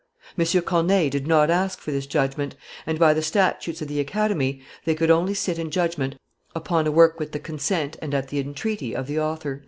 M. Corneille did not ask for this judgment, and, by the statutes of the Academy, they could only sit in judgment upon a work with the consent and at the entreaty of the author."